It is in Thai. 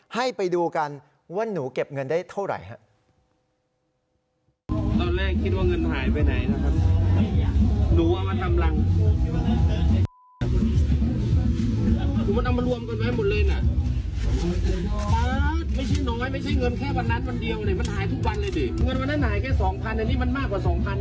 ให้ไปดูกันว่าหนูเก็บเงินได้เท่าไหร่ครับ